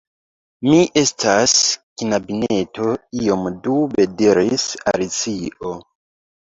"Mi estas... knabineto," iom dube diris Alicio